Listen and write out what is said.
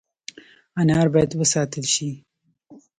آثار باید وساتل شي